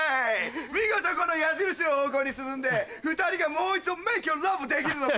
見事この矢印の方向に進んで２人がもう一度メイクラブできるのか。